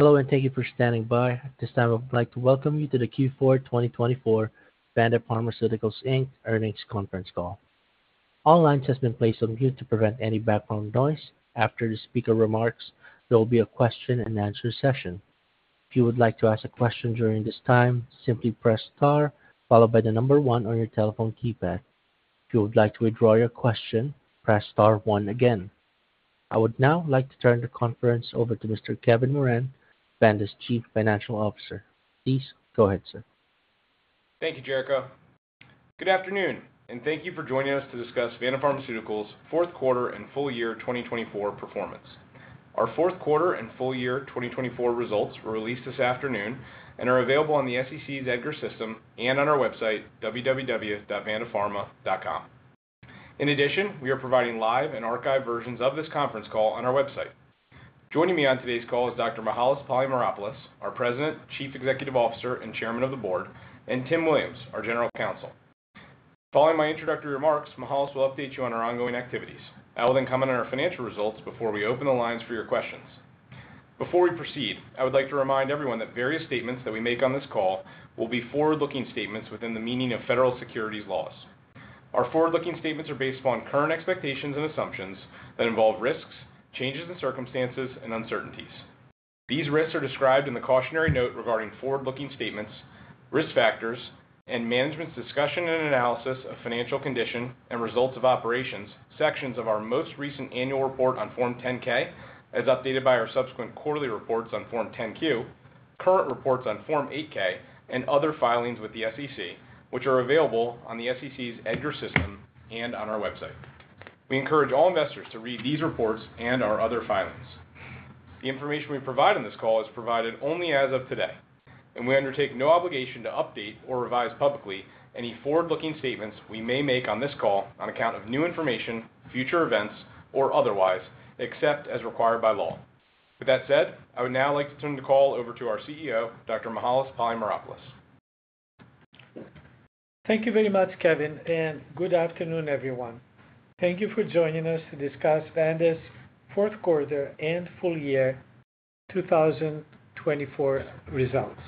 Hello and thank you for standing by. At this time I would like to welcome you to the Q4 2024 Vanda Pharmaceuticals earnings conference call. All lines have been placed on mute to prevent any background noise. After the speaker remarks, there will be a question-and-answer session. If you would like to ask a question during this time, simply press star followed by the number one on your telephone keypad. If you would like to withdraw your question, press star one again. I would now like to turn the conference over to Mr. Kevin Moran, Vanda's Chief Financial Officer. Please go ahead, sir. Thank you, Jericho. Good afternoon, and thank you for joining us to discuss Vanda Pharmaceuticals' fourth quarter and full year 2024 performance. Our fourth quarter and full year 2024 results were released this afternoon and are available on the SEC's EDGAR system and on our website, www.vandapharma.com. In addition, we are providing live and archived versions of this conference call on our website. Joining me on today's call is Dr. Mihael Polymeropoulos, our President, Chief Executive Officer, and Chairman of the Board, and Tim Williams, our General Counsel. Following my introductory remarks, Mihael will update you on our ongoing activities. I will then comment on our financial results before we open the lines for your questions. Before we proceed, I would like to remind everyone that various statements that we make on this call will be forward-looking statements within the meaning of federal securities laws. Our forward-looking statements are based upon current expectations and assumptions that involve risks, changes in circumstances, and uncertainties. These risks are described in the cautionary note regarding forward-looking statements, risk factors, and management's discussion and analysis of financial condition and results of operations sections of our most recent annual report on Form 10-K, as updated by our subsequent quarterly reports on Form 10-Q, current reports on Form 8-K, and other filings with the SEC, which are available on the SEC's EDGAR system and on our website. We encourage all investors to read these reports and our other filings. The information we provide on this call is provided only as of today, and we undertake no obligation to update or revise publicly any forward-looking statements we may make on this call on account of new information, future events, or otherwise, except as required by law. With that said, I would now like to turn the call over to our CEO, Dr. Mihael Polymeropoulos. Thank you very much, Kevin, and good afternoon, everyone. Thank you for joining us to discuss Vanda's fourth quarter and full year 2024 results.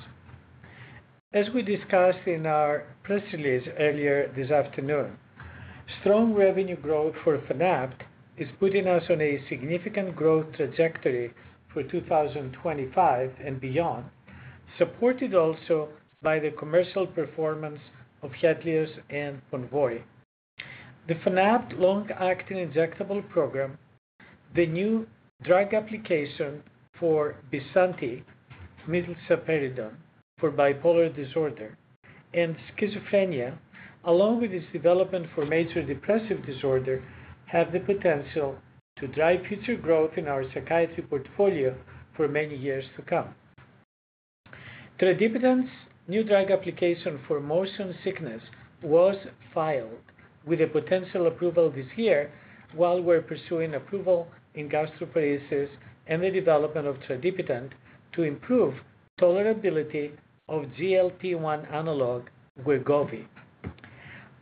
As we discussed in our press release earlier this afternoon, strong revenue growth for Fanapt is putting us on a significant growth trajectory for 2025 and beyond, supported also by the commercial performance of HETLIOZ and PONVORY. The Fanapt long-acting injectable program, the new drug application for Bysanti mid-cyperidone for bipolar disorder and schizophrenia, along with its development for major depressive disorder, have the potential to drive future growth in our psychiatry portfolio for many years to come. Tradipitant's new drug application for motion sickness was filed with a potential approval this year while we're pursuing approval in gastroparesis and the development of Tradipitant to improve tolerability of GLP-1 analog Wegovy.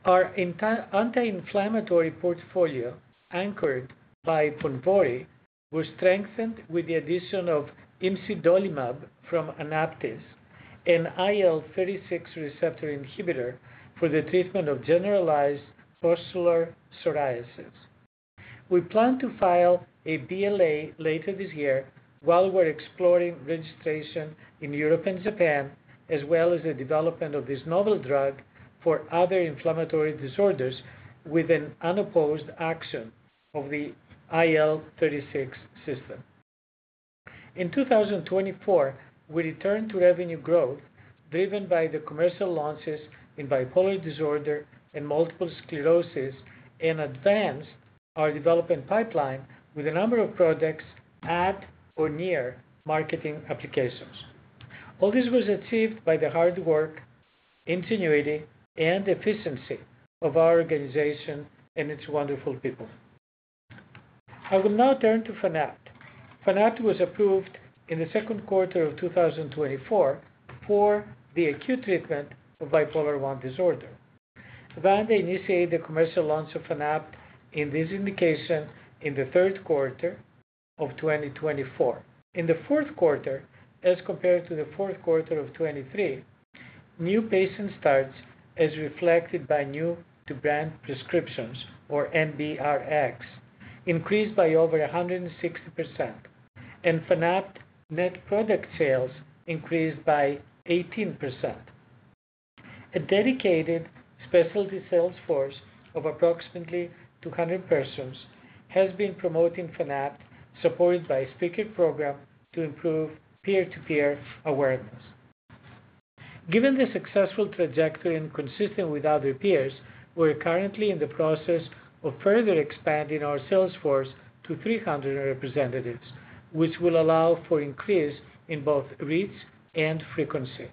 Our anti-inflammatory portfolio anchored by PONVORY was strengthened with the addition of Imsidolimab from AnaptysBio, an IL-36 receptor antagonist for the treatment of generalized pustular psoriasis. We plan to file a BLA later this year while we're exploring registration in Europe and Japan, as well as the development of this novel drug for other inflammatory disorders with an unopposed action of the IL-36 system. In 2024, we returned to revenue growth driven by the commercial launches in bipolar disorder and multiple sclerosis and advanced our development pipeline with a number of products at or near marketing applications. All this was achieved by the hard work, ingenuity, and efficiency of our organization and its wonderful people. I will now turn to Fanapt. Fanapt was approved in the second quarter of 2024 for the acute treatment of bipolar I disorder. Vanda initiated the commercial launch of Fanapt in this indication in the third quarter of 2024. In the fourth quarter, as compared to the fourth quarter of 2023, new patient starts as reflected by new-to-brand prescriptions, or NBRX, increased by over 160%, and Fanapt net product sales increased by 18%. A dedicated specialty sales force of approximately 200 persons has been promoting Fanapt, supported by a speaker program to improve peer-to-peer awareness. Given the successful trajectory and consistent with other peers, we're currently in the process of further expanding our sales force to 300 representatives, which will allow for increase in both reach and frequency.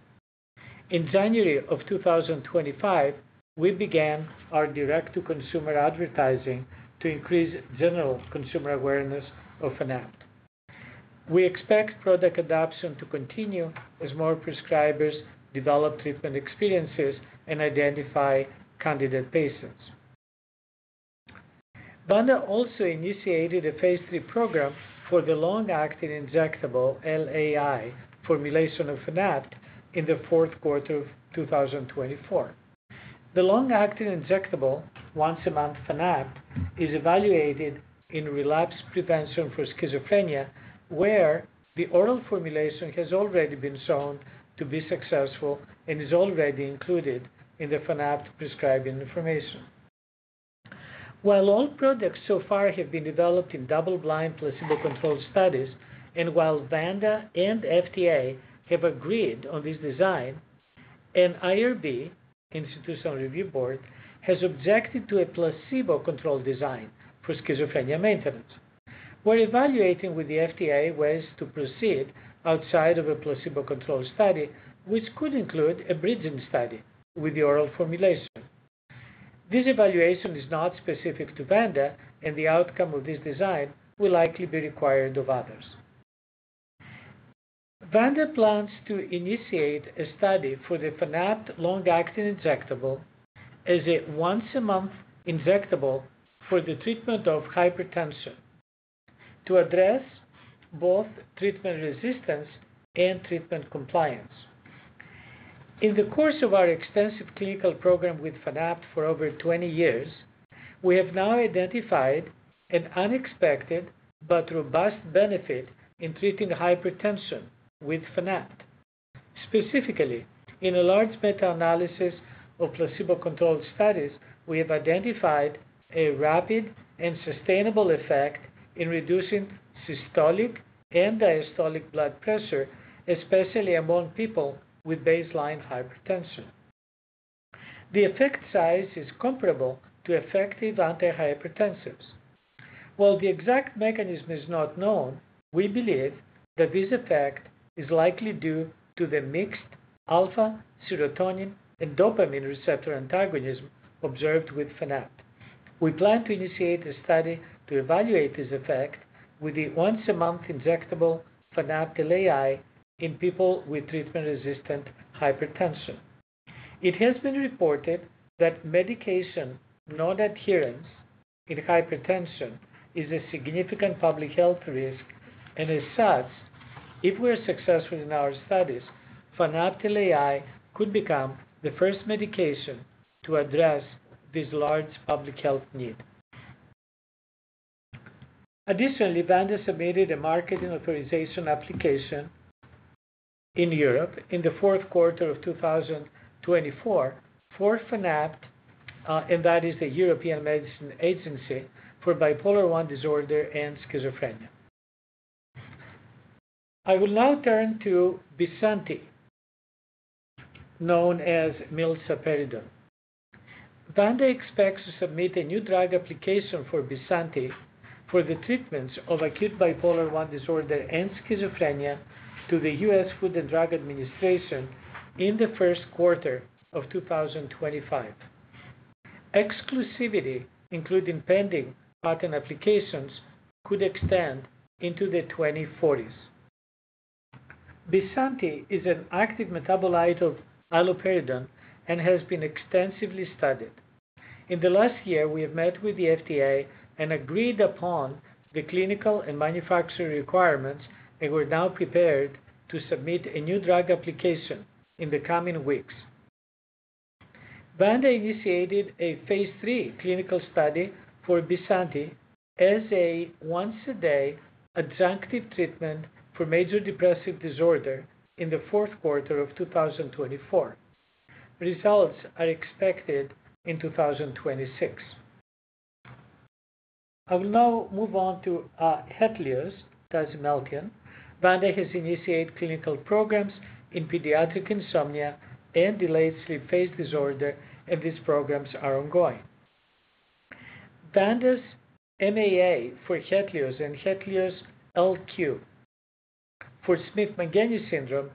In January of 2025, we began our direct-to-consumer advertising to increase general consumer awareness of Fanapt. We expect product adoption to continue as more prescribers develop treatment experiences and identify candidate patients. Vanda also initiated a phase three program for the long-acting injectable LAI formulation of Fanapt in the fourth quarter of 2024. The long-acting injectable, once-a-month Fanapt, is evaluated in relapse prevention for schizophrenia, where the oral formulation has already been shown to be successful and is already included in the Fanapt prescribing information. While all products so far have been developed in double-blind placebo-controlled studies, and while Vanda and FDA have agreed on this design, an IRB, Institutional Review Board, has objected to a placebo-controlled design for schizophrenia maintenance. We're evaluating with the FDA ways to proceed outside of a placebo-controlled study, which could include a bridging study with the oral formulation. This evaluation is not specific to Vanda, and the outcome of this design will likely be required of others. Vanda plans to initiate a study for the Fanapt long-acting injectable as a once-a-month injectable for the treatment of hypertension to address both treatment resistance and treatment compliance. In the course of our extensive clinical program with Fanapt for over 20 years, we have now identified an unexpected but robust benefit in treating hypertension with Fanapt. Specifically, in a large meta-analysis of placebo-controlled studies, we have identified a rapid and sustainable effect in reducing systolic and diastolic blood pressure, especially among people with baseline hypertension. The effect size is comparable to effective Antihypertensives. While the exact mechanism is not known, we believe that this effect is likely due to the mixed alpha serotonin and dopamine receptor antagonism observed with Fanapt. We plan to initiate a study to evaluate this effect with the once-a-month injectable Fanapt LAI in people with treatment-resistant hypertension. It has been reported that medication non-adherence in hypertension is a significant public health risk, and as such, if we are successful in our studies, Fanapt LAI could become the first medication to address this large public health need. Additionally, Vanda submitted a marketing authorization application in Europe in the fourth quarter of 2024 for Fanapt, and that is a European Medicines Agency for bipolar I disorder and schizophrenia. I will now turn to Bysanti, known as mid-cyperidone. Vanda expects to submit a new drug application for Bysanti for the treatments of acute bipolar I disorder and schizophrenia to the U.S. Food and Drug Administration in the first quarter of 2025. Exclusivity, including pending patent applications, could extend into the 2040s. Bysanti is an active metabolite of allopurinol and has been extensively studied. In the last year, we have met with the FDA and agreed upon the clinical and manufacturing requirements, and we're now prepared to submit a new drug application in the coming weeks. Vanda initiated a phase lll clinical study for Bysanti as a once-a-day adjunctive treatment for major depressive disorder in the fourth quarter of 2024. Results are expected in 2 026. I will now move on to HETLIOZ, as MElkin. Vanda has initiated clinical programs in pediatric insomnia and delayed sleep phase disorder, and these programs are ongoing. Vanda's MAA for HETLIOZ and HETLIOZ LQ for Smith-Magenis syndrome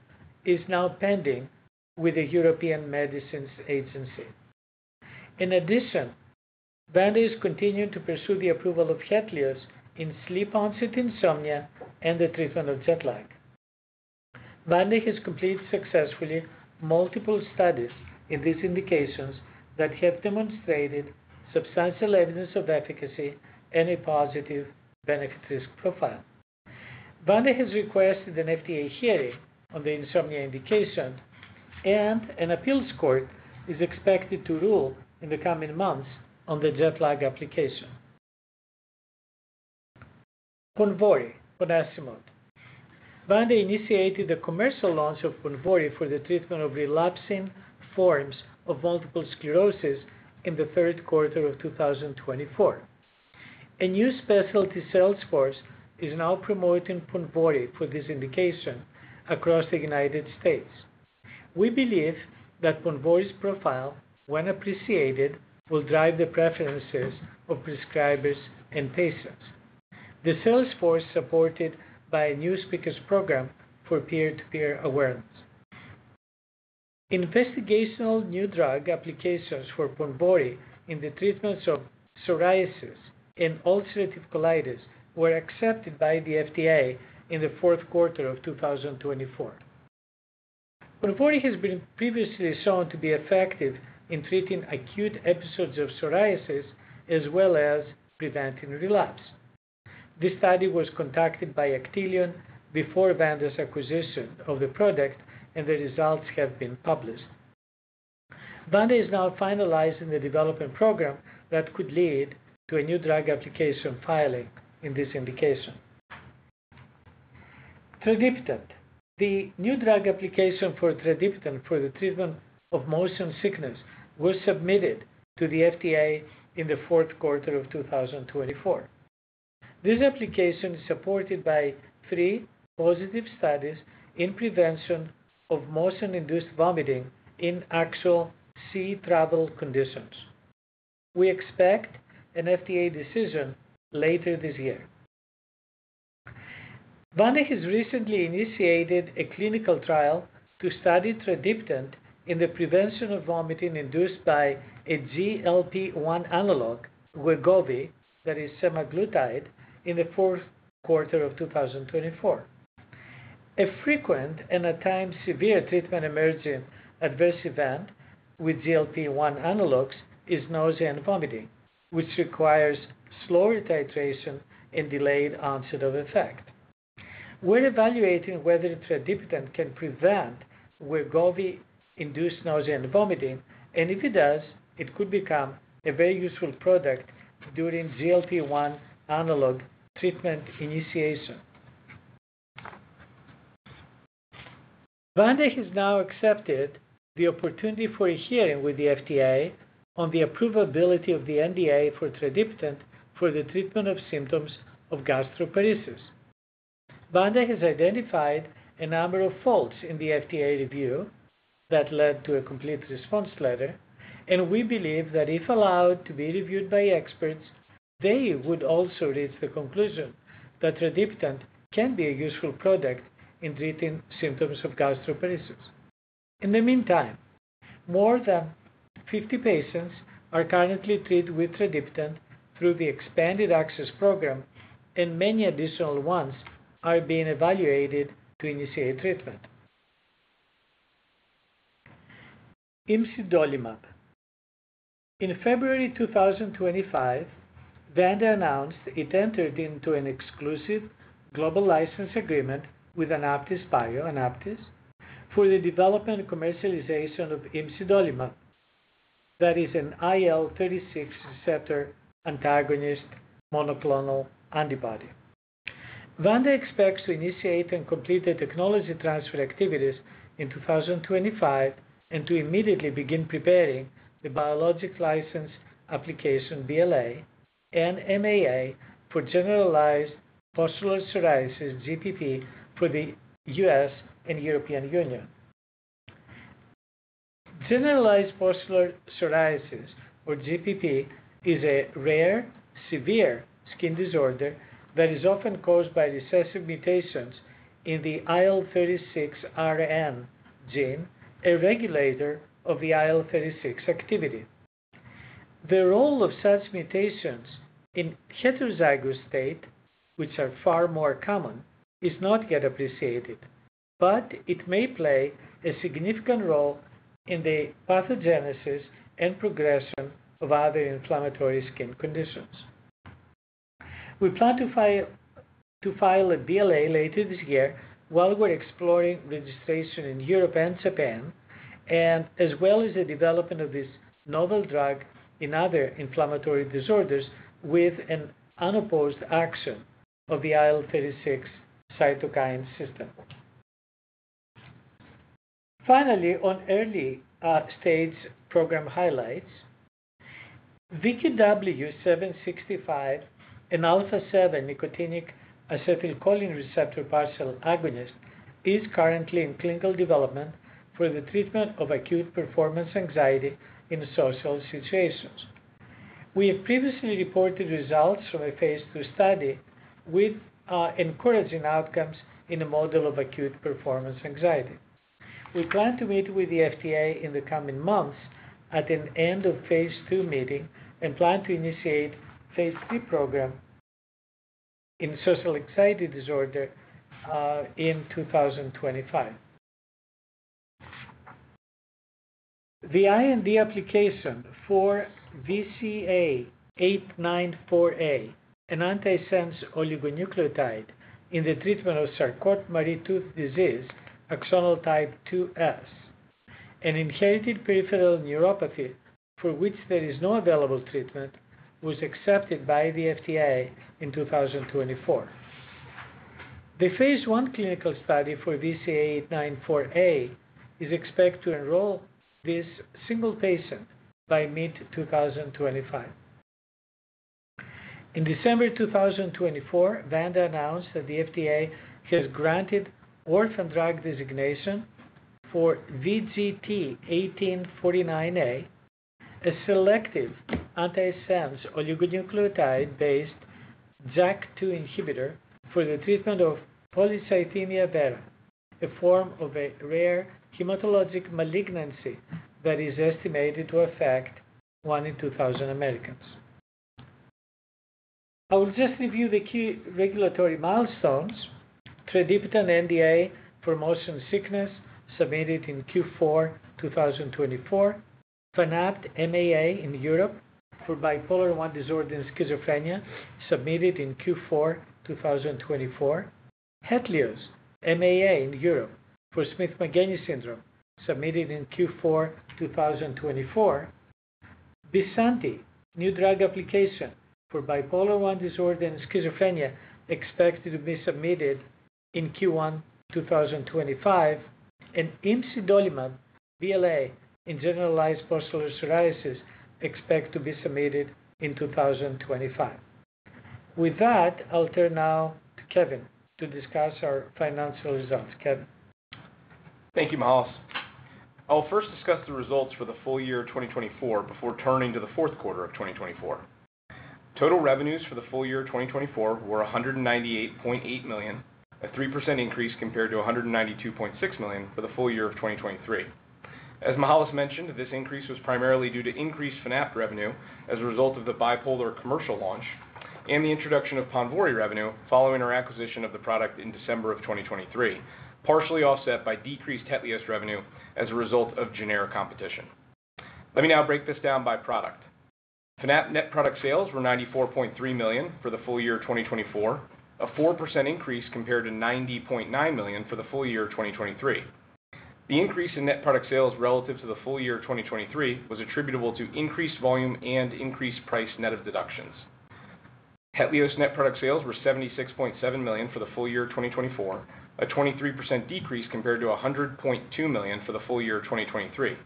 is now pending with the European Medicines Agency. In addition, Vanda is continuing to pursue the approval of HETLIOZ in sleep-onset insomnia and the treatment of jet lag. Vanda has completed successfully multiple studies in these indications that have demonstrated substantial evidence of efficacy and a positive benefit-risk profile. Vanda has requested an FDA hearing on the insomnia indication, and an appeals court is expected to rule in the coming months on the jet lag application. PONVORY, on acimode. Vanda initiated the commercial launch of PONVORY for the treatment of relapsing forms of multiple sclerosis in the third quarter of 2024. A new specialty sales force is now promoting PONVORY for this indication across the United States. We believe that PONVORY's profile, when appreciated, will drive the preferences of prescribers and patients. The sales force is supported by a new speakers program for peer-to-peer awareness. Investigational new drug applications for PONVORY in the treatments of psoriasis and ulcerative colitis were accepted by the FDA in the fourth quarter of 2024. PONVORY has been previously shown to be effective in treating acute episodes of psoriasis as well as preventing relapse. This study was conducted by Actelion before Vanda's acquisition of the product, and the results have been published. Vanda is now finalizing the development program that could lead to a new drug application filing in this indication. Tradipitant. The new drug application for Tradipitant for the treatment of motion sickness was submitted to the FDA in the fourth quarter of 2024. This application is supported by three positive studies in prevention of motion-induced vomiting in actual sea travel conditions. We expect an FDA decision later this year. Vanda has recently initiated a clinical trial to study Tradipitant in the prevention of vomiting induced by a GLP-1 analog, Wegovy, that is semaglutide, in the fourth quarter of 2024. A frequent and at times severe treatment-emerging adverse event with GLP-1 analogs is nausea and vomiting, which requires slower titration and delayed onset of effect. We're evaluating whether Tradipitant can prevent Wegovy-induced nausea and vomiting, and if it does, it could become a very useful product during GLP-1 analog treatment initiation. Vanda has now accepted the opportunity for a hearing with the FDA on the approval ability of the NDA for Tradipitant for the treatment of symptoms of gastroparesis. Vanda has identified a number of faults in the FDA review that led to a complete response letter, and we believe that if allowed to be reviewed by experts, they would also reach the conclusion that Tradipitant can be a useful product in treating symptoms of gastroparesis. In the meantime, more than 50 patients are currently treated with Tradipitant through the expanded access program, and many additional ones are being evaluated to initiate treatment. Imsidolimab. In February 2025, Vanda announced it entered into an exclusive global license agreement with AnaptysBio, Anaptys, for the development and commercialization of Imsidolimab, that is an IL-36 receptor antagonist monoclonal antibody. Vanda expects to initiate and complete the technology transfer activities in 2025 and to immediately begin preparing the Biologic License Application BLA and MAA for generalized pustular psoriasis GPP for the U.S. and European Union. Generalized pustular psoriasis or GPP is a rare, severe skin disorder that is often caused by recessive mutations in the IL-36 RN gene, a regulator of the IL-36 activity. The role of such mutations in heterozygous state, which are far more common, is not yet appreciated, but it may play a significant role in the pathogenesis and progression of other inflammatory skin conditions. We plan to file a BLA later this year while we're exploring registration in Europe and Japan, as well as the development of this novel drug in other inflammatory disorders with an unopposed action of the IL-36 cytokine system. Finally, on early-stage program highlights, VQW765, an alpha-7 nicotinic acetylcholine receptor partial agonist, is currently in clinical development for the treatment of acute performance anxiety in social situations. We have previously reported results from a phase ll study with encouraging outcomes in a model of acute performance anxiety. We plan to meet with the FDA in the coming months at the end of phase two meeting and plan to initiate phase lll program in social anxiety disorder in 2025. The IND application for VCA894A, an antisense oligonucleotide in the treatment of sarcotubular myopathy axonal type 2S, and inherited peripheral neuropathy for which there is no available treatment, was accepted by the FDA in 2024. The phase I clinical study for VCA894A is expected to enroll this single patient by mid-2025. In December 2024, Vanda announced that the FDA has granted orphan drug designation for VGT1849A, a selective antisense oligonucleotide-based JAK2 inhibitor for the treatment of polycythemia vera, a form of a rare hematologic malignancy that is estimated to affect 1 in 2,000 Americans. I will just review the key regulatory milestones: Tradipitant NDA for motion sickness submitted in Q4 2024, Fanapt MAA in Europe for bipolar I disorder and schizophrenia submitted in Q4 2024, HETLIOZ MAA in Europe for Smith-Magenis syndrome submitted in Q4 2024, Bysanti new drug application for bipolar I disorder and schizophrenia expected to be submitted in Q1 2025, and Imsidolimab BLA in generalized pustular psoriasis expected to be submitted in 2025. With that, I'll turn now to Kevin to discuss our financial results. Kevin. Thank you, Mihael. I'll first discuss the results for the full year 2024 before turning to the fourth quarter of 2024. Total revenues for the full year 2024 were $198.8 million, a 3% increase compared to $192.6 million for the full year of 2023. As Miles mentioned, this increase was primarily due to increased Fanapt revenue as a result of the bipolar commercial launch and the introduction of PONVORY revenue following our acquisition of the product in December of 2023, partially offset by decreased HETLIOZ revenue as a result of generic competition. Let me now break this down by product. Fanapt net product sales were $94.3 million for the full year 2024, a 4% increase compared to $90.9 million for the full year 2023. The increase in net product sales relative to the full year 2023 was attributable to increased volume and increased price net of deductions. HETLIOZ net product sales were $76.7 million for the full year 2024, a 23% decrease compared to $100.2 million for the full year 2023.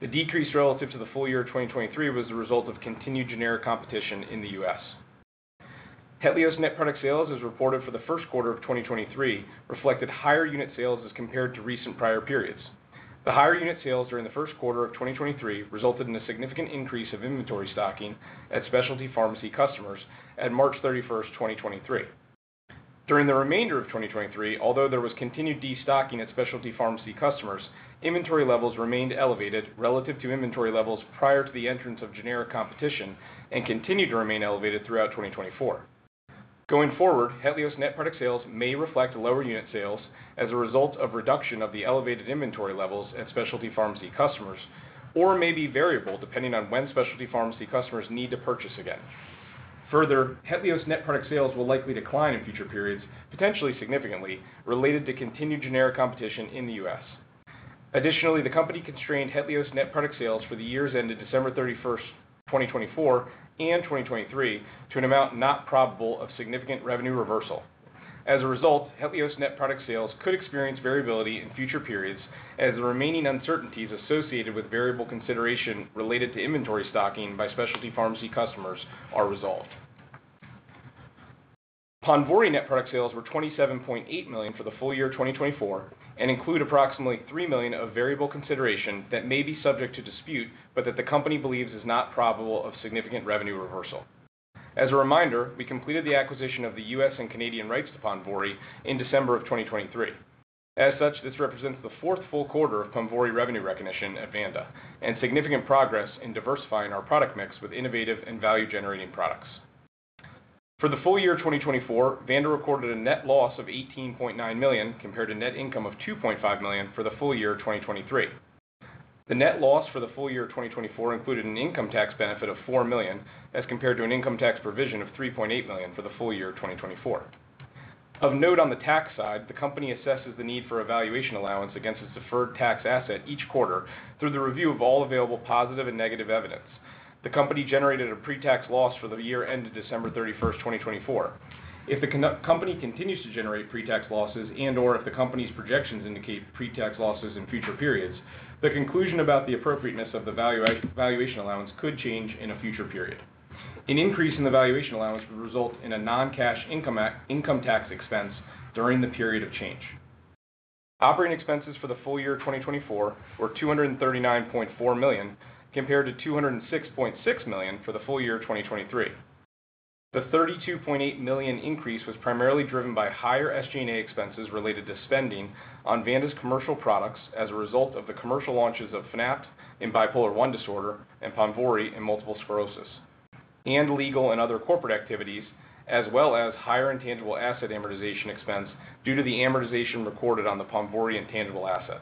The decrease relative to the full year 2023 was the result of continued generic competition in the U.S. HETLIOZ net product sales as reported for the first quarter of 2023 reflected higher unit sales as compared to recent prior periods. The higher unit sales during the first quarter of 2023 resulted in a significant increase of inventory stocking at specialty pharmacy customers at March 31, 2023. During the remainder of 2023, although there was continued destocking at specialty pharmacy customers, inventory levels remained elevated relative to inventory levels prior to the entrance of generic competition and continue to remain elevated throughout 2024. Going forward, HETLIOZ net product sales may reflect lower unit sales as a result of reduction of the elevated inventory levels at specialty pharmacy customers or may be variable depending on when specialty pharmacy customers need to purchase again. Further, HETLIOZ net product sales will likely decline in future periods, potentially significantly related to continued generic competition in the U.S. Additionally, the company constrained HETLIOZ net product sales for the years ended December 31st, 2024 and 2023 to an amount not probable of significant revenue reversal. As a result, HETLIOZ net product sales could experience variability in future periods as the remaining uncertainties associated with variable consideration related to inventory stocking by specialty pharmacy customers are resolved. PONVORY net product sales were $27.8 million for the full year 2024 and include approximately $3 million of variable consideration that may be subject to dispute, but that the company believes is not probable of significant revenue reversal. As a reminder, we completed the acquisition of the U.S. and Canadian rights to PONVORY in December of 2023. As such, this represents the fourth full quarter of PONVORY revenue recognition at Vanda and significant progress in diversifying our product mix with innovative and value-generating products. For the full year 2024, Vanda recorded a net loss of $18.9 million compared to net income of $2.5 million for the full year 2023. The net loss for the full year 2024 included an income tax benefit of $4 million as compared to an income tax provision of $3.8 million for the full year 2024. Of note, on the tax side, the company assesses the need for valuation allowance against its deferred tax asset each quarter through the review of all available positive and negative evidence. The company generated a pre-tax loss for the year ended December 31, 2024. If the company continues to generate pre-tax losses and/or if the company's projections indicate pre-tax losses in future periods, the conclusion about the appropriateness of the valuation allowance could change in a future period. An increase in the valuation allowance would result in a non-cash income tax expense during the period of change. Operating expenses for the full year 2024 were $239.4 million compared to $206.6 million for the full year 2023. The $32.8 million increase was primarily driven by higher SG&A expenses related to spending on Vanda's commercial products as a result of the commercial launches of Fanapt in bipolar I disorder and PONVORY in multiple sclerosis and legal and other corporate activities, as well as higher intangible asset amortization expense due to the amortization recorded on the PONVORY intangible asset.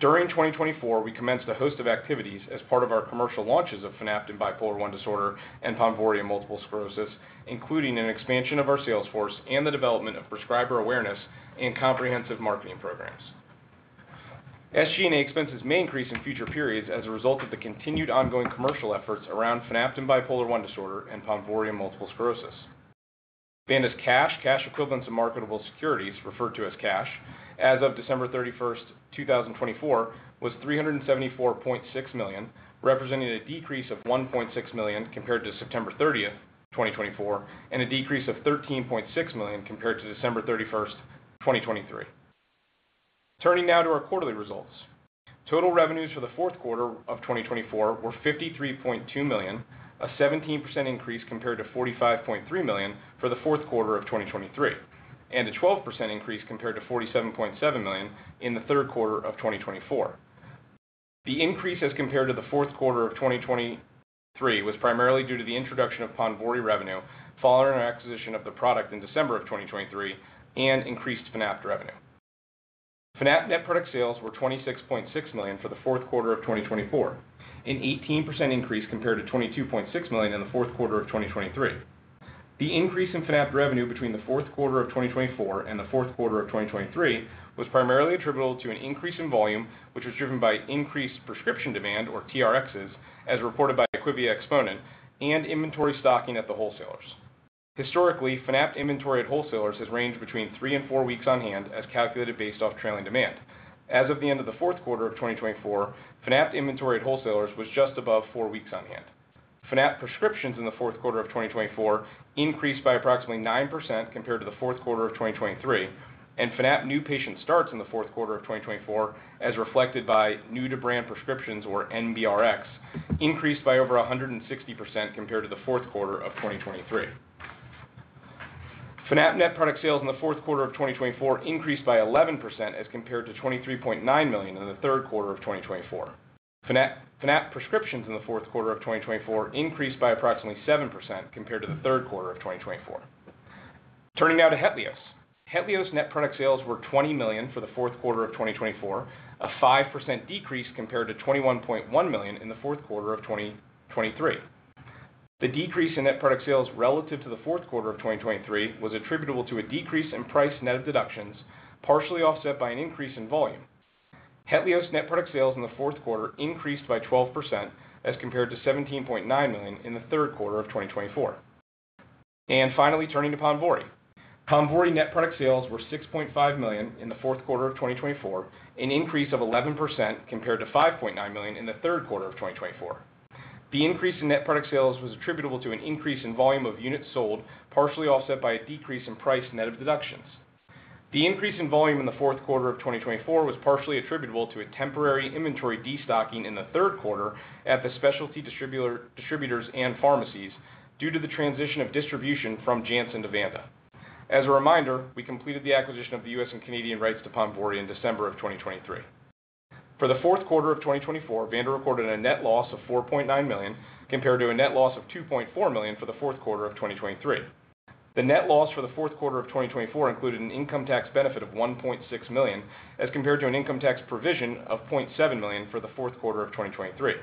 During 2024, we commenced a host of activities as part of our commercial launches of Fanapt in bipolar I disorder and PONVORY in multiple sclerosis, including an expansion of our salesforce and the development of prescriber awareness and comprehensive marketing programs. SG&A expenses may increase in future periods as a result of the continued ongoing commercial efforts around Fanapt in bipolar I disorder and PONVORY in multiple sclerosis. Vanda's cash, cash equivalents of marketable securities referred to as cash, as of December 31st, 2024, was $374.6 million, representing a decrease of $1.6 million compared to September 30, 2024, and a decrease of $13.6 million compared to December 31st, 2023. Turning now to our quarterly results. Total revenues for the fourth quarter of 2024 were $53.2 million, a 17% increase compared to $45.3 million for the fourth quarter of 2023, and a 12% increase compared to $47.7 million in the third quarter of 2024. The increase as compared to the fourth quarter of 2023 was primarily due to the introduction of PONVORY revenue following our acquisition of the product in December of 2023 and increased Fanapt revenue. Fanapt net product sales were $26.6 million for the fourth quarter of 2024, an 18% increase compared to $22.6 million in the fourth quarter of 2023. The increase in Fanapt revenue between the fourth quarter of 2024 and the fourth quarter of 2023 was primarily attributable to an increase in volume, which was driven by increased prescription demand or TRXs, as reported by IQVIA Exponent, and inventory stocking at the wholesalers. Historically, Fanapt inventory at wholesalers has ranged between three and four weeks on hand as calculated based off trailing demand. As of the end of the fourth quarter of 2024, Fanapt inventory at wholesalers was just above four weeks on hand. Fanapt prescriptions in the fourth quarter of 2024 increased by approximately 9% compared to the fourth quarter of 2023, and Fanapt new patient starts in the fourth quarter of 2024, as reflected by new-to-brand prescriptions or NBRX, increased by over 160% compared to the fourth quarter of 2023. Fanapt net product sales in the fourth quarter of 2024 increased by 11% as compared to $23.9 million in the third quarter of 2024. Fanapt prescriptions in the fourth quarter of 2024 increased by approximately 7% compared to the third quarter of 2024. Turning now to HETLIOZ. HETLIOZ net product sales were $20 million for the fourth quarter of 2024, a 5% decrease compared to $21.1 million in the fourth quarter of 2023. The decrease in net product sales relative to the fourth quarter of 2023 was attributable to a decrease in price net of deductions, partially offset by an increase in volume. HETLIOZ net product sales in the fourth quarter increased by 12% as compared to $17.9 million in the third quarter of 2024. Finally, turning to PONVORY. PONVORY net product sales were $6.5 million in the fourth quarter of 2024, an increase of 11% compared to $5.9 million in the third quarter of 2024. The increase in net product sales was attributable to an increase in volume of units sold, partially offset by a decrease in price net of deductions. The increase in volume in the fourth quarter of 2024 was partially attributable to a temporary inventory destocking in the third quarter at the specialty distributors and pharmacies due to the transition of distribution from Janssen to Vanda. As a reminder, we completed the acquisition of the U.S. and Canadian rights to PONVORY in December of 2023. For the fourth quarter of 2024, Vanda recorded a net loss of $4.9 million compared to a net loss of $2.4 million for the fourth quarter of 2023. The net loss for the fourth quarter of 2024 included an income tax benefit of $1.6 million as compared to an income tax provision of $0.7 million for the fourth quarter of 2023.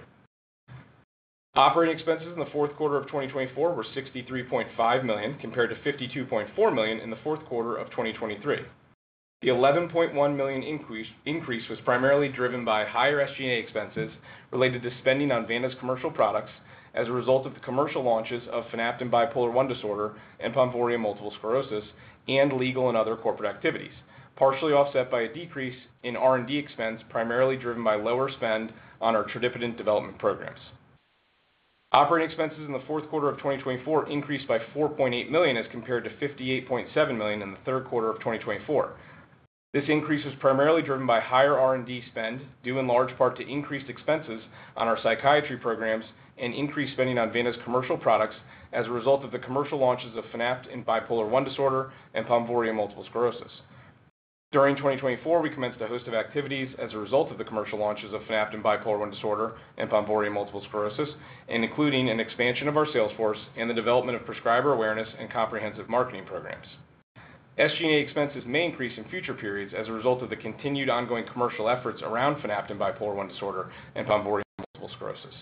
Operating expenses in the fourth quarter of 2024 were $63.5 million compared to $52.4 million in the fourth quarter of 2023. The $11.1 million increase was primarily driven by higher SG&A expenses related to spending on Vanda's commercial products as a result of the commercial launches of Fanapt in bipolar I disorder and PONVORY in multiple sclerosis and legal and other corporate activities, partially offset by a decrease in R&D expense primarily driven by lower spend on our Tradipitant development programs. Operating expenses in the fourth quarter of 2024 increased by $4.8 million as compared to $58.7 million in the third quarter of 2024. This increase was primarily driven by higher R&D spend due in large part to increased expenses on our psychiatry programs and increased spending on Vanda's commercial products as a result of the commercial launches of Fanapt in bipolar I disorder and PONVORY in multiple sclerosis. During 2024, we commenced a host of activities as a result of the commercial launches of Fanapt in bipolar I disorder and PONVORY in multiple sclerosis, including an expansion of our salesforce and the development of prescriber awareness and comprehensive marketing programs. SG&A expenses may increase in future periods as a result of the continued ongoing commercial efforts around Fanapt in bipolar I disorder and PONVORY in multiple sclerosis.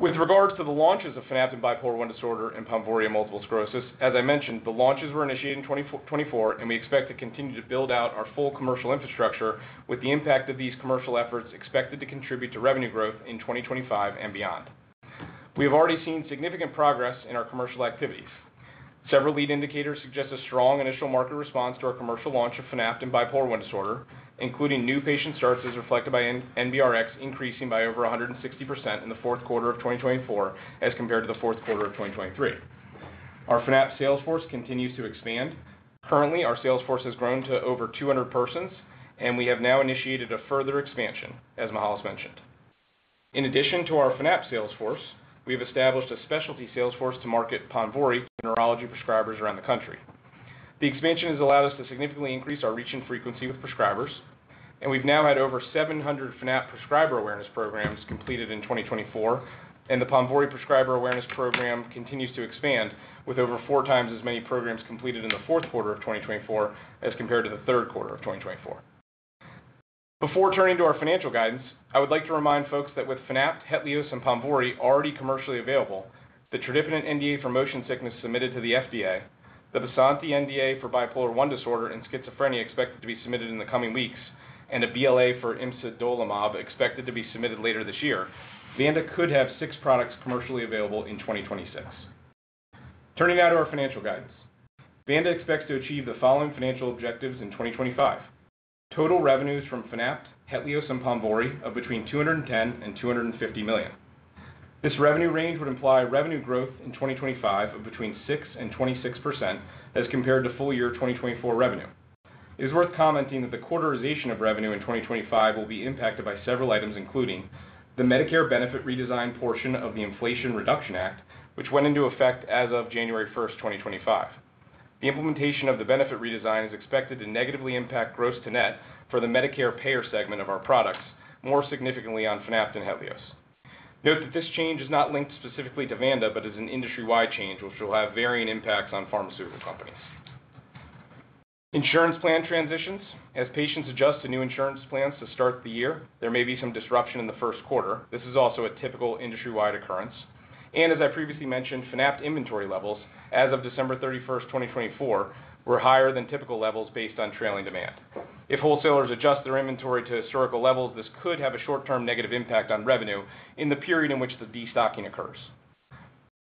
With regards to the launches of Fanapt in bipolar I disorder and PONVORY in multiple sclerosis, as I mentioned, the launches were initiated in 2024, and we expect to continue to build out our full commercial infrastructure with the impact of these commercial efforts expected to contribute to revenue growth in 2025 and beyond. We have already seen significant progress in our commercial activities. Several lead indicators suggest a strong initial market response to our commercial launch of Fanapt in bipolar I disorder, including new patient starts as reflected by NBRX increasing by over 160% in the fourth quarter of 2024 as compared to the fourth quarter of 2023. Our Fanapt salesforce continues to expand. Currently, our salesforce has grown to over 200 persons, and we have now initiated a further expansion, as Mihael has mentioned. In addition to our Fanapt salesforce, we have established a specialty salesforce to market PONVORY to neurology prescribers around the country. The expansion has allowed us to significantly increase our reach and frequency with prescribers, and we've now had over 700 Fanapt prescriber awareness programs completed in 2024, and the PONVORY prescriber awareness program continues to expand with over four times as many programs completed in the fourth quarter of 2024 as compared to the third quarter of 2024. Before turning to our financial guidance, I would like to remind folks that with Fanapt, HETLIOZ, and PONVORY already commercially available, the Tradipitant NDA for motion sickness submitted to the FDA, the Bysanti NDA for bipolar I disorder and schizophrenia expected to be submitted in the coming weeks, and a BLA for Imsidolimab expected to be submitted later this year, Vanda could have six products commercially available in 2026. Turning now to our financial guidance, Vanda expects to achieve the following financial objectives in 2025: total revenues from Fanapt, HETLIOZ, and PONVORY of between $210 million and $250 million. This revenue range would imply revenue growth in 2025 of between 6% and 26% as compared to full year 2024 revenue. It is worth commenting that the quarterization of revenue in 2025 will be impacted by several items, including the Medicare benefit redesign portion of the Inflation Reduction Act, which went into effect as of January 1st, 2025. The implementation of the benefit redesign is expected to negatively impact gross to net for the Medicare payer segment of our products, more significantly on Fanapt and HETLIOZ. Note that this change is not linked specifically to Vanda but is an industry-wide change, which will have varying impacts on pharmaceutical companies. Insurance plan transitions: as patients adjust to new insurance plans to start the year, there may be some disruption in the first quarter. This is also a typical industry-wide occurrence. As I previously mentioned, Fanapt inventory levels as of December 31st, 2024, were higher than typical levels based on trailing demand. If wholesalers adjust their inventory to historical levels, this could have a short-term negative impact on revenue in the period in which the destocking occurs.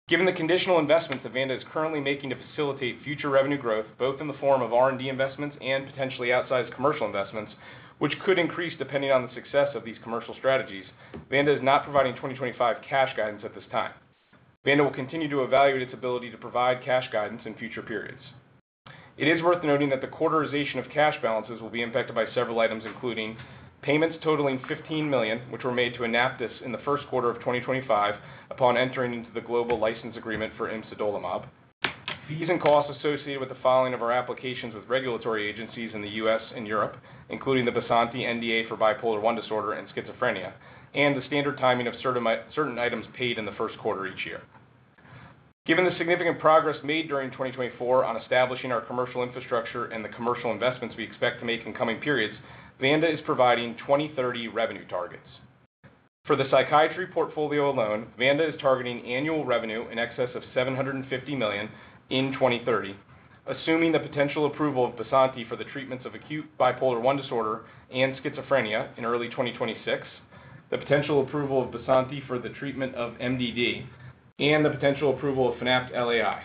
Given the conditional investments that Vanda is currently making to facilitate future revenue growth, both in the form of R&D investments and potentially outsized commercial investments, which could increase depending on the success of these commercial strategies, Vanda is not providing 2025 cash guidance at this time. Vanda will continue to evaluate its ability to provide cash guidance in future periods. It is worth noting that the quarterization of cash balances will be impacted by several items, including payments totaling $15 million, which were made to AnaptysBio in the first quarter of 2025 upon entering into the global license agreement for Imsidolimab. Fees and costs associated with the filing of our applications with regulatory agencies in the U.S. and Europe, including the Bysanti NDA for bipolar I disorder and schizophrenia, and the standard timing of certain items paid in the first quarter each year. Given the significant progress made during 2024 on establishing our commercial infrastructure and the commercial investments we expect to make in coming periods, Vanda is providing 2030 revenue targets. For the psychiatry portfolio alone, Vanda is targeting annual revenue in excess of $750 million in 2030, assuming the potential approval of Bysanti for the treatments of acute bipolar I disorder and schizophrenia in early 2026, the potential approval of Bysanti for the treatment of MDD, and the potential approval of Fanapt LAI.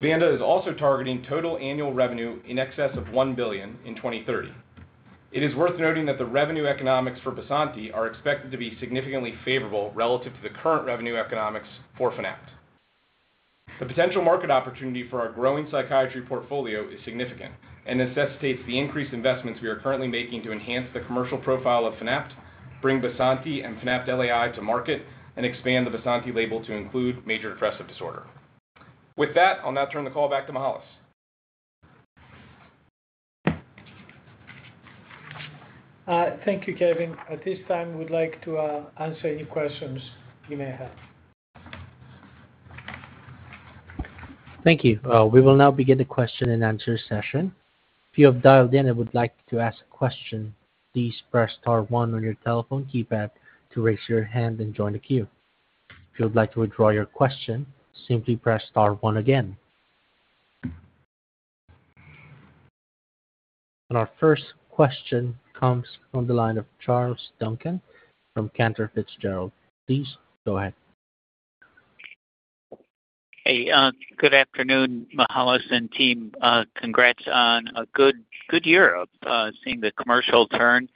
Vanda is also targeting total annual revenue in excess of $1 billion in 2030. It is worth noting that the revenue economics for Bysanti are expected to be significantly favorable relative to the current revenue economics for Fanapt. The potential market opportunity for our growing psychiatry portfolio is significant and necessitates the increased investments we are currently making to enhance the commercial profile of Fanapt, bring Bysanti and Fanapt LAI to market, and expand the Bysanti label to include major depressive disorder. With that, I'll now turn the call back to Mihael. Thank you, Kevin. At this time, we'd like to answer any questions you may have. Thank you. We will now begin the question and answer session. If you have dialed in and would like to ask a question, please press Star 1 on your telephone keypad to raise your hand and join the queue. If you would like to withdraw your question, simply press Star 1 again. Our first question comes from the line of Charles Duncan from Cantor Fitzgerald. Please go ahead. Hey, good afternoon, Mihael and team. Congrats on a good year, seeing the commercial turn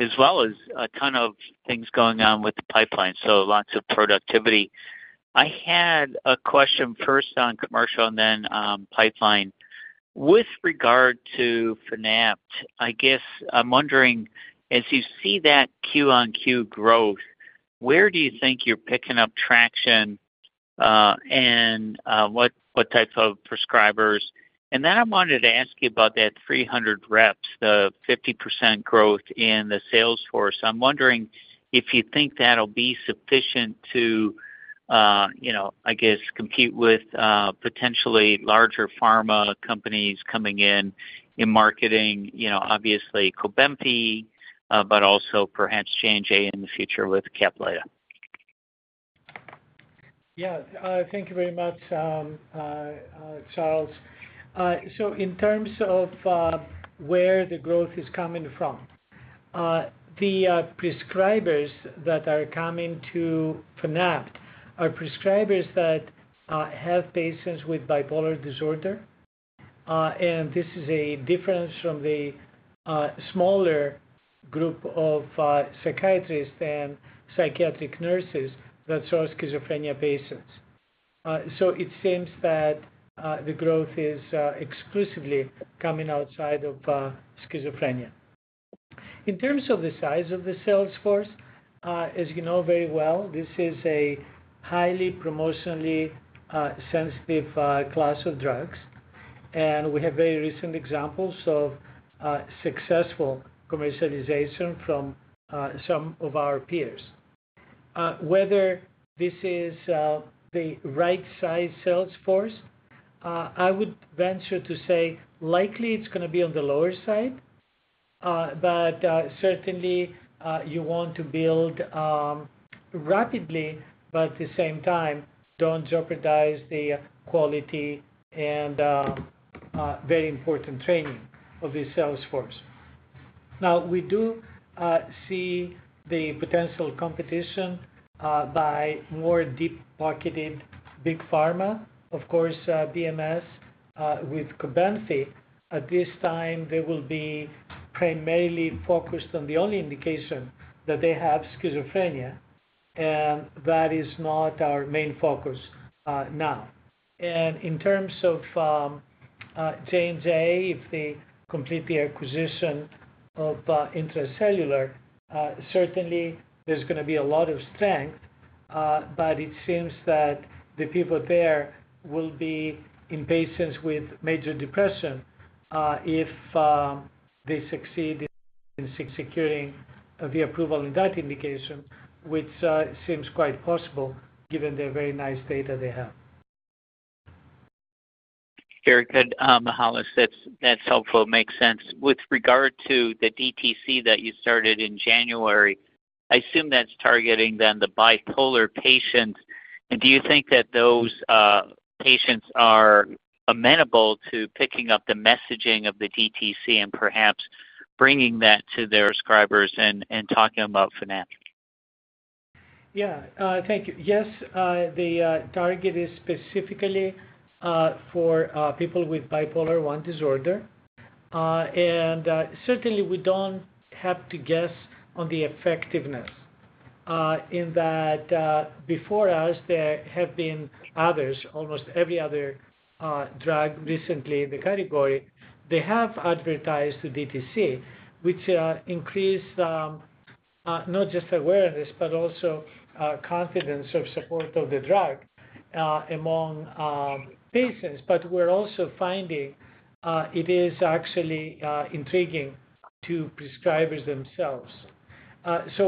as well as a ton of things going on with the pipeline, so lots of productivity. I had a question first on commercial and then pipeline. With regard to Fanapt, I guess I'm wondering, as you see that Q-on-Q growth, where do you think you're picking up traction and what types of prescribers? I wanted to ask you about that 300 reps, the 50% growth in the salesforce. I'm wondering if you think that'll be sufficient to, I guess, compete with potentially larger pharma companies coming in in marketing, obviously COVENFY, but also perhaps J&J in the future with CAPLYTA. Yeah, thank you very much, Charles. In terms of where the growth is coming from, the prescribers that are coming to Fanapt are prescribers that have patients with bipolar disorder, and this is a difference from the smaller group of psychiatrists and psychiatric nurses that serve schizophrenia patients. It seems that the growth is exclusively coming outside of schizophrenia. In terms of the size of the salesforce, as you know very well, this is a highly promotionally sensitive class of drugs, and we have very recent examples of successful commercialization from some of our peers. Whether this is the right-sized salesforce, I would venture to say likely it's going to be on the lower side, but certainly you want to build rapidly, but at the same time, do not jeopardize the quality and very important training of this salesforce. Now, we do see the potential competition by more deep-pocketed big pharma, of course, BMS with COVENFY. At this time, they will be primarily focused on the only indication that they have, schizophrenia, and that is not our main focus now. In terms of J&J, if they complete the acquisition of Intra-Cellular, certainly there's going to be a lot of strength, but it seems that the people there will be in patients with major depression if they succeed in securing the approval in that indication, which seems quite possible given the very nice data they have. Very good, Mihael. That's helpful. It makes sense. With regard to the DTC that you started in January, I assume that's targeting then the bipolar patients. Do you think that those patients are amenable to picking up the messaging of the DTC and perhaps bringing that to their prescribers and talking about Fanapt? Yeah, thank you. Yes, the target is specifically for people with bipolar I disorder, and certainly we don't have to guess on the effectiveness in that before us, there have been others, almost every other drug recently in the category, they have advertised the DTC, which increased not just awareness but also confidence of support of the drug among patients. We are also finding it is actually intriguing to prescribers themselves.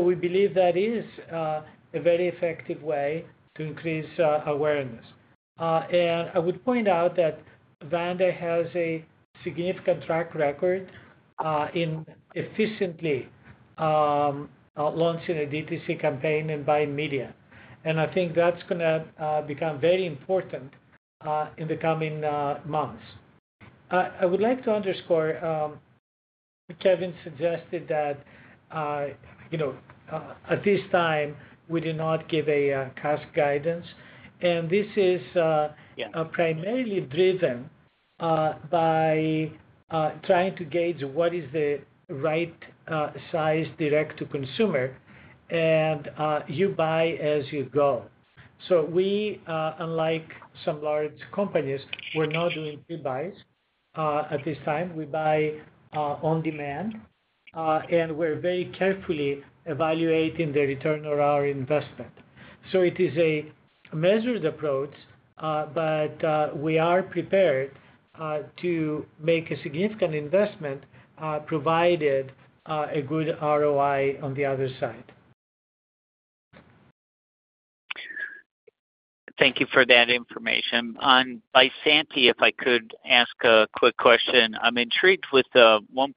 We believe that is a very effective way to increase awareness. I would point out that Vanda has a significant track record in efficiently launching a DTC campaign and buying media. I think that's going to become very important in the coming months. I would like to underscore, Kevin suggested that at this time, we do not give a cost guidance, and this is primarily driven by trying to gauge what is the right-sized direct-to-consumer, and you buy as you go. We, unlike some large companies, are not doing pre-buys at this time. We buy on demand, and we are very carefully evaluating the return on our investment. It is a measured approach, but we are prepared to make a significant investment provided a good ROI on the other side. Thank you for that information. On Bysanti, if I could ask a quick question. I'm intrigued with the one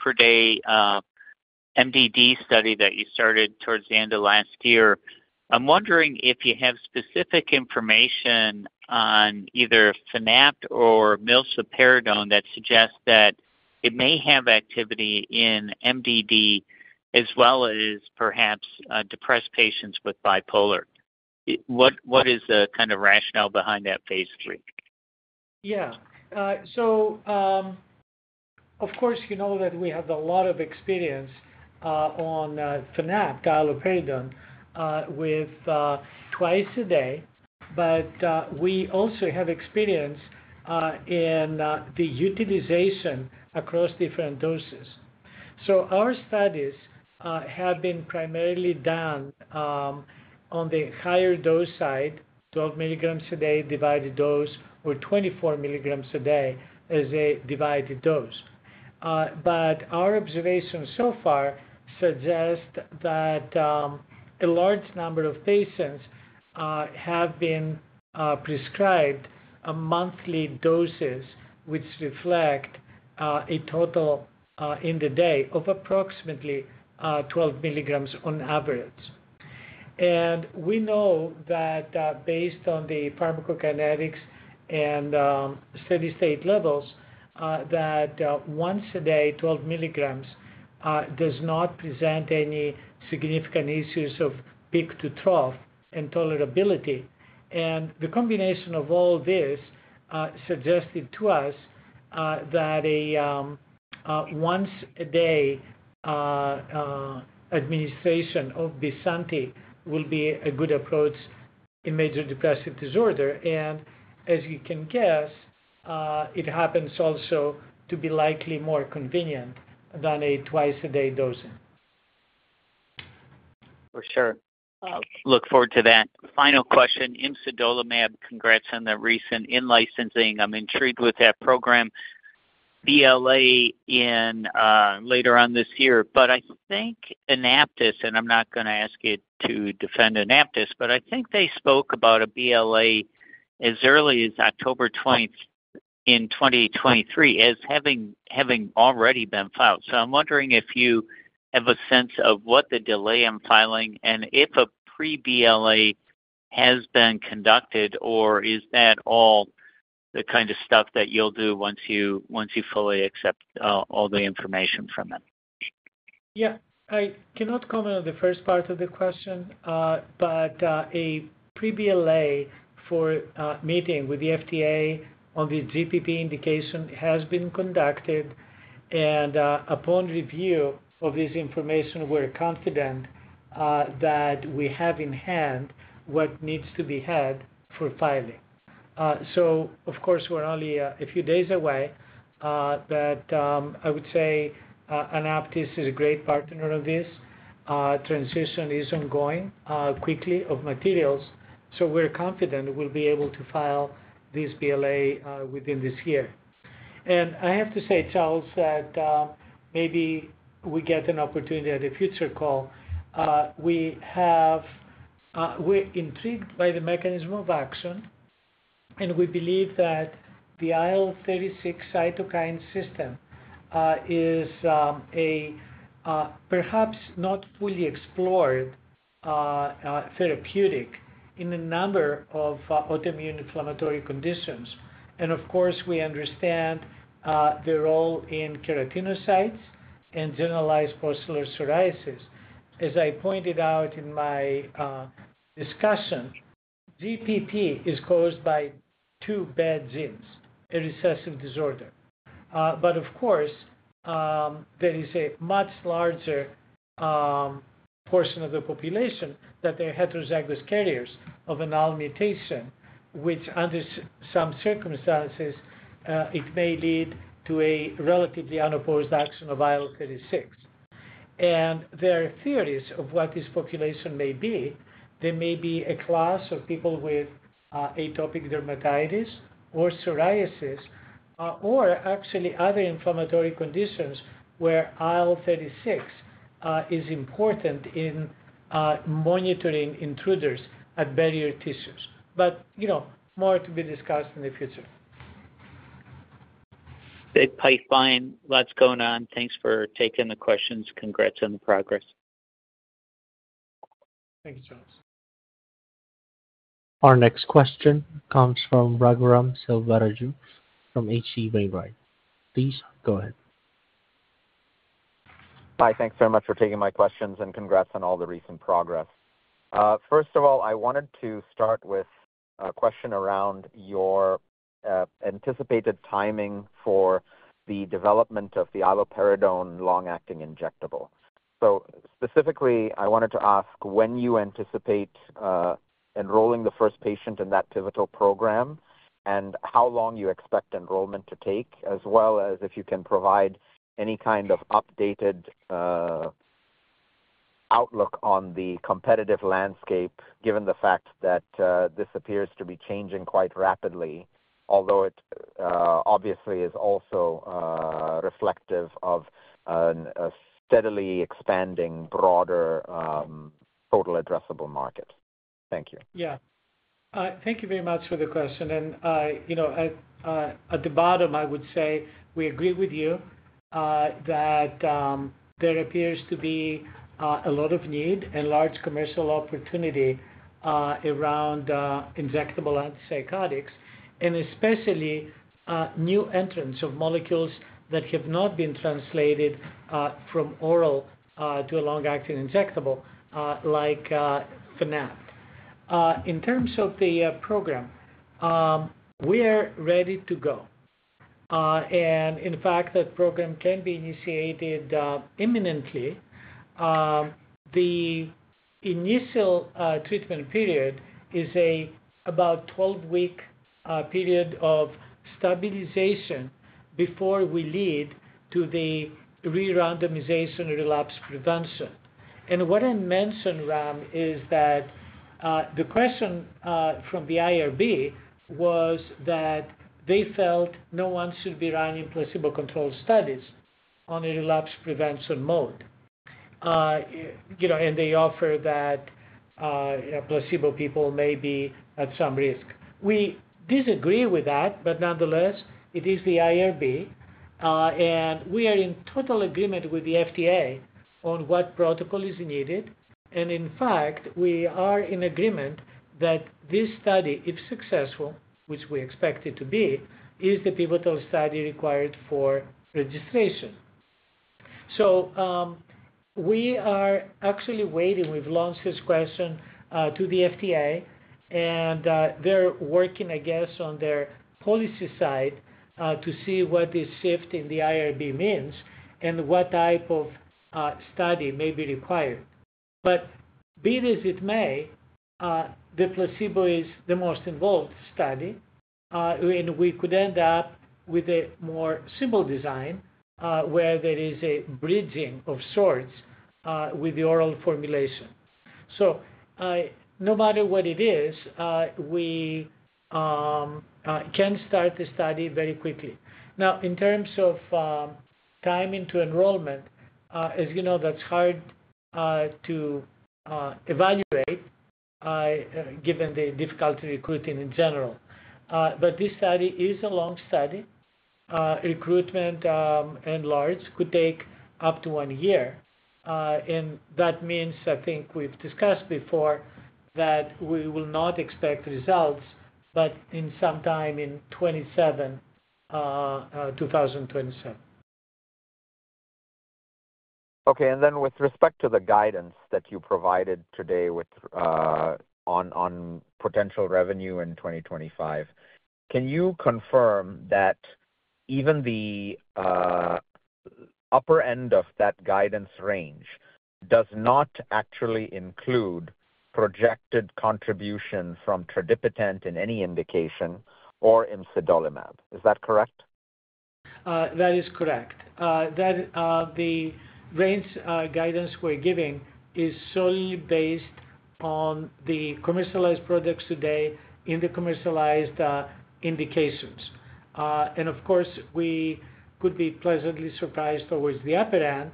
per day MDD study that you started towards the end of last year. I'm wondering if you have specific information on either Fanapt or Bysanti that suggests that it may have activity in MDD as well as perhaps depressed patients with bipolar. What is the kind of rationale behind that phase three? Yeah. Of course, you know that we have a lot of experience on Fanapt, iloperidone, with twice a day, but we also have experience in the utilization across different doses. Our studies have been primarily done on the higher dose side, 12 milligrams a day divided dose or 24 milligrams a day as a divided dose. Our observations so far suggest that a large number of patients have been prescribed monthly doses, which reflect a total in the day of approximately 12 milligrams on average. We know that based on the pharmacokinetics and steady-state levels, that once a day, 12 milligrams does not present any significant issues of peak to trough and tolerability. The combination of all this suggested to us that a once-a-day administration of Bysanti will be a good approach in major depressive disorder. As you can guess, it happens also to be likely more convenient than a twice-a-day dosing. For sure. Look forward to that. Final question. Imsidolimab, congrats on the recent in-licensing. I'm intrigued with that program. BLA later on this year. I think Enaptis, and I'm not going to ask you to defend Enaptis, but I think they spoke about a BLA as early as October 20 in 2023 as having already been filed. I'm wondering if you have a sense of what the delay in filing is and if a pre-BLA has been conducted, or is that all the kind of stuff that you'll do once you fully accept all the information from them? Yeah. I cannot comment on the first part of the question, but a pre-BLA meeting with the FDA on the GPP indication has been conducted, and upon review of this information, we're confident that we have in hand what needs to be had for filing. Of course, we're only a few days away, but I would say AnaptysBio is a great partner on this. Transition is ongoing quickly of materials, so we're confident we'll be able to file this BLA within this year. I have to say, Charles, that maybe we get an opportunity at a future call. We're intrigued by the mechanism of action, and we believe that the IL-36 cytokine system is a perhaps not fully explored therapeutic in a number of autoimmune inflammatory conditions. Of course, we understand the role in keratinocytes and generalized pustular psoriasis. As I pointed out in my discussion, GPP is caused by two beds in a recessive disorder. Of course, there is a much larger portion of the population that they're heterozygous carriers of an IL mutation, which under some circumstances, it may lead to a relatively unopposed action of IL-36. There are theories of what this population may be. There may be a class of people with atopic dermatitis or psoriasis or actually other inflammatory conditions where IL-36 is important in monitoring intruders at barrier tissues. More to be discussed in the future. Good pipeline. Lots going on. Thanks for taking the questions. Congrats on the progress. Thanks, Charles. Our next question comes from Raghuram Selvaraju from H.C. Wainwright. Please go ahead. Hi. Thanks very much for taking my questions and congrats on all the recent progress. First of all, I wanted to start with a question around your anticipated timing for the development of the IL-36 long-acting injectable. Specifically, I wanted to ask when you anticipate enrolling the first patient in that pivotal program and how long you expect enrollment to take, as well as if you can provide any kind of updated outlook on the competitive landscape given the fact that this appears to be changing quite rapidly, although it obviously is also reflective of a steadily expanding broader total addressable market. Thank you. Yeah. Thank you very much for the question. At the bottom, I would say we agree with you that there appears to be a lot of need and large commercial opportunity around injectable antipsychotics, and especially new entrants of molecules that have not been translated from oral to a long-acting injectable like Fanapt. In terms of the program, we're ready to go. In fact, that program can be initiated imminently. The initial treatment period is about a 12-week period of stabilization before we lead to the re-randomization relapse prevention. What I mentioned, Ram, is that the question from the IRB was that they felt no one should be running placebo-controlled studies on a relapse prevention mode, and they offer that placebo people may be at some risk. We disagree with that, but nonetheless, it is the IRB, and we are in total agreement with the FDA on what protocol is needed. In fact, we are in agreement that this study, if successful, which we expect it to be, is the pivotal study required for registration. We are actually waiting. We've launched this question to the FDA, and they're working, I guess, on their policy side to see what this shift in the IRB means and what type of study may be required. Be it as it may, the placebo is the most involved study, and we could end up with a more simple design where there is a bridging of sorts with the oral formulation. No matter what it is, we can start the study very quickly. Now, in terms of timing to enrollment, as you know, that's hard to evaluate given the difficulty recruiting in general. This study is a long study. Recruitment in large could take up to one year. That means, I think we've discussed before, that we will not expect results, but in sometime in 2027. Okay. With respect to the guidance that you provided today on potential revenue in 2025, can you confirm that even the upper end of that guidance range does not actually include projected contribution from Tradipitant in any indication or Imsidolimab? Is that correct? That is correct. The range guidance we're giving is solely based on the commercialized products today in the commercialized indications. Of course, we could be pleasantly surprised towards the upper end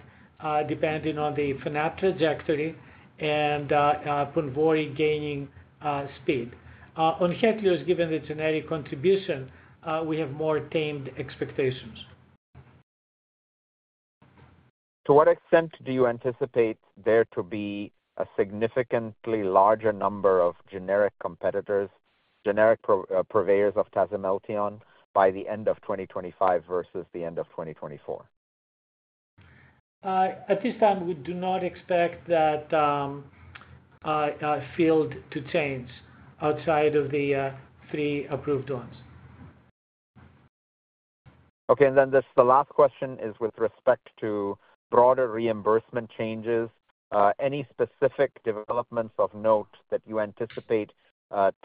depending on the Fanapt trajectory and PONVORY gaining speed. On HETLIOZ, given the generic contribution, we have more tamed expectations. To what extent do you anticipate there to be a significantly larger number of generic purveyors of Tasimelteon by the end of 2025 versus the end of 2024? At this time, we do not expect that field to change outside of the three approved ones. Okay. The last question is with respect to broader reimbursement changes. Any specific developments of note that you anticipate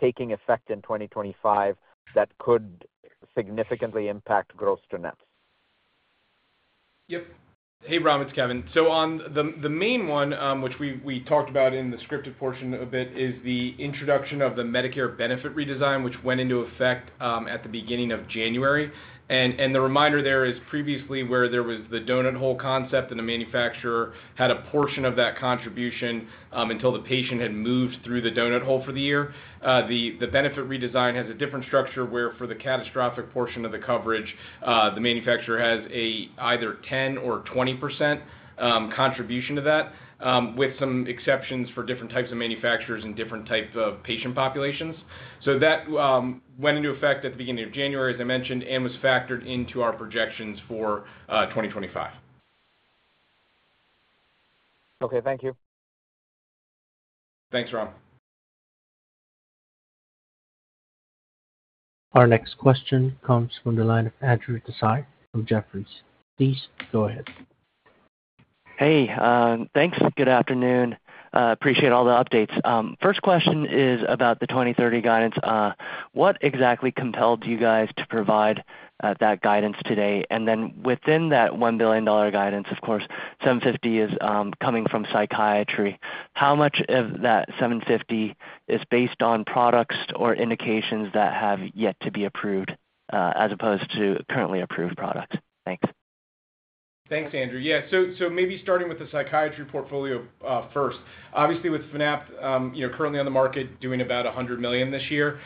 taking effect in 2025 that could significantly impact gross to nets? Yep. Hey, Ram. It's Kevin. The main one, which we talked about in the scripted portion a bit, is the introduction of the Medicare benefit redesign, which went into effect at the beginning of January. The reminder there is previously where there was the donut hole concept and the manufacturer had a portion of that contribution until the patient had moved through the donut hole for the year. The benefit redesign has a different structure where for the catastrophic portion of the coverage, the manufacturer has either 10% or 20% contribution to that, with some exceptions for different types of manufacturers and different types of patient populations. That went into effect at the beginning of January, as I mentioned, and was factored into our projections for 2025. Okay. Thank you. Thanks, Ram. Our next question comes from the line of Andrew Tsai from Jefferies. Please go ahead. Hey. Thanks. Good afternoon. Appreciate all the updates. First question is about the 2030 guidance. What exactly compelled you guys to provide that guidance today? Within that $1 billion guidance, of course, 750 is coming from psychiatry. How much of that 750 is based on products or indications that have yet to be approved as opposed to currently approved products? Thanks. Thanks, Andrew. Yeah. Maybe starting with the psychiatry portfolio first. Obviously, with Fanapt currently on the market, doing about $100 million this year.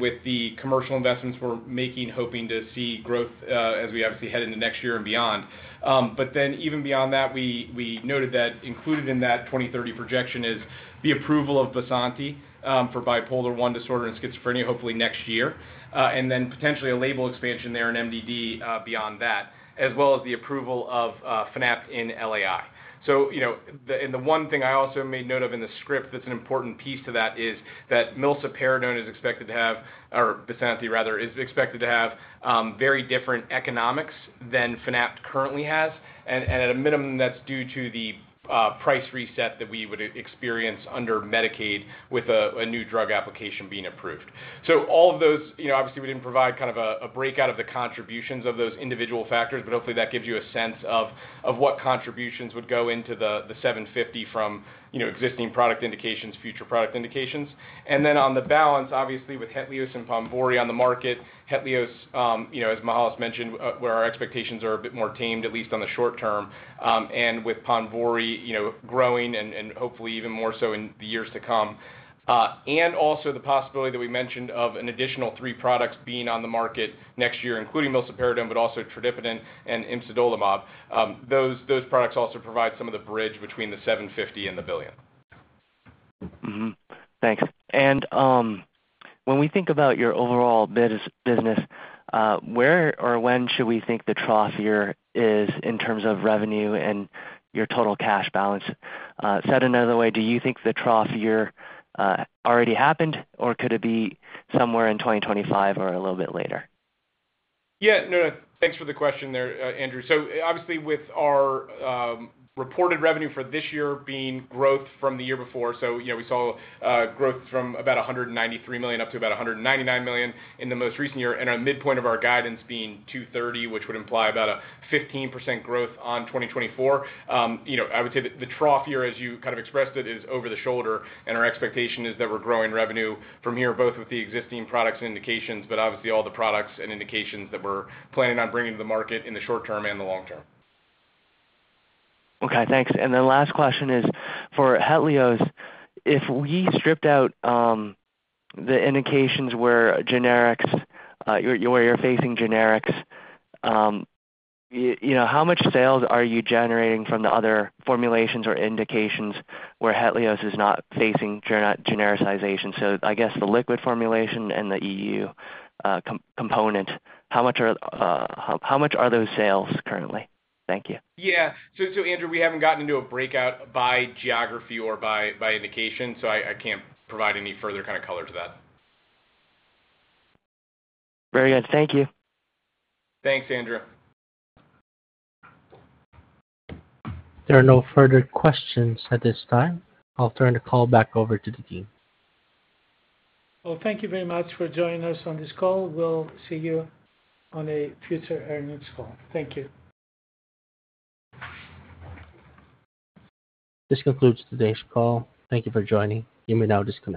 With the commercial investments we're making, hoping to see growth as we obviously head into next year and beyond. Even beyond that, we noted that included in that 2030 projection is the approval of Bysanti for bipolar I disorder and schizophrenia, hopefully next year, and then potentially a label expansion there in MDD beyond that, as well as the approval of Fanapt in LAI. The one thing I also made note of in the script that's an important piece to that is that Bysanti is expected to have very different economics than Fanapt currently has. At a minimum, that's due to the price reset that we would experience under Medicaid with a new drug application being approved. All of those, obviously, we didn't provide kind of a breakout of the contributions of those individual factors, but hopefully that gives you a sense of what contributions would go into the $750 million from existing product indications, future product indications. On the balance, obviously, with HETLIOZ and PONVORY on the market, HETLIOZ, as Mihael has mentioned, where our expectations are a bit more tamed, at least on the short-term, and with PONVORY growing and hopefully even more so in the years to come. Also the possibility that we mentioned of an additional three products being on the market next year, including iloperidone, but also Tradipitant and imsidolimab. Those products also provide some of the bridge between the $750 million and the billion. Thanks. When we think` about your overall business, where or when should we think the trough year is in terms of revenue and your total cash balance? Said another way, do you think the trough year already happened, or could it be somewhere in 2025 or a little bit later? Yeah. No, no. Thanks for the question there, Andrew. Obviously, with our reported revenue for this year being growth from the year before, we saw growth from about $193 million up to about $199 million in the most recent year, and our midpoint of our guidance being $230 million, which would imply about a 15% growth on 2024, I would say the trough year, as you kind of expressed it, is over the shoulder. Our expectation is that we're growing revenue from here, both with the existing products and indications, but obviously all the products and indications that we're planning on bringing to the market in the short-term and the long-term. Okay. Thanks. Last question is for HETLIOZ. If we stripped out the indications where you're facing generics, how much sales are you generating from the other formulations or indications where HETLIOZ is not facing genericization? I guess the liquid formulation and the EU component, how much are those sales currently? Thank you. Yeah. Andrew, we haven't gotten into a breakout by geography or by indication, so I can't provide any further kind of color to that. Very good. Thank you. Thanks, Andrew. There are no further questions at this time. I'll turn the call back over to the team. Oh, thank you very much for joining us on this call. We'll see you on a future earnings call. Thank you. This concludes today's call. Thank you for joining. You may now disconnect.